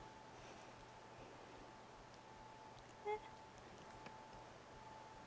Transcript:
えっ。